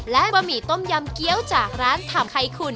และบะหมี่ต้มยำเกี้ยวจากร้านถามไข่คุณ